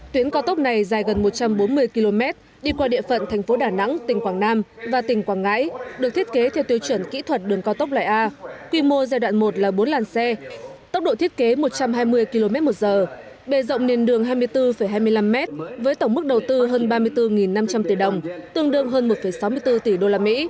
tuyến cao tốc này dài gần một trăm bốn mươi km đi qua địa phận tp đà nẵng tỉnh quảng nam và tỉnh quảng ngãi được thiết kế theo tiêu chuẩn kỹ thuật đường cao tốc loại a quy mô giai đoạn một là bốn làn xe tốc độ thiết kế một trăm hai mươi km một giờ bề rộng nền đường hai mươi bốn hai mươi năm m với tổng mức đầu tư hơn ba mươi bốn năm trăm linh tỷ đồng tương đương hơn một sáu mươi bốn tỷ usd